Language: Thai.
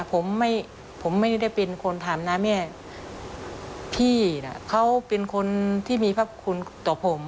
ผมไม่ผมไม่ได้เป็นคนถามนะแม่พี่น่ะเขาเป็นคนที่มีพระคุณต่อผม